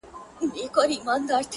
اوس چي سهار دى گراني.